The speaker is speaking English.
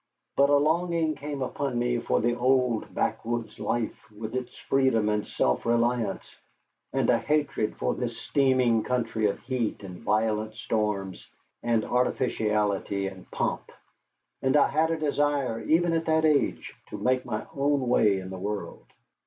But a longing came upon me for the old backwoods life, with its freedom and self reliance, and a hatred for this steaming country of heat and violent storms, and artificiality and pomp. And I had a desire, even at that age, to make my own way in the world.